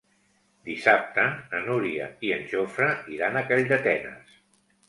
Dissabte na Núria i en Jofre iran a Calldetenes.